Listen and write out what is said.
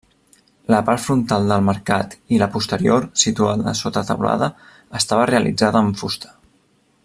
La part frontal del mercat i la posterior, situada sota teulada, estava realitzada amb fusta.